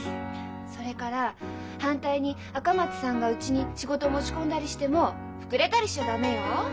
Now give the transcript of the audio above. それから反対に赤松さんがうちに仕事を持ち込んだりしても膨れたりしちゃ駄目よ。